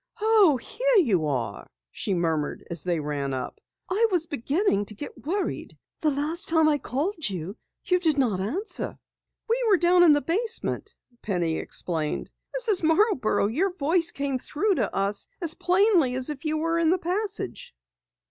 "Oh, here you are!" she murmured as they ran up. "I was beginning to get worried. The last time I called you did not answer." "We were down in the basement," Penny explained. "Mrs. Marborough, your voice came through to us as plainly as if you were in the passage."